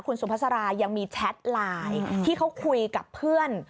คุณสุภาษารายังมีแชทไลน์ที่เขาคุยกับเพื่อน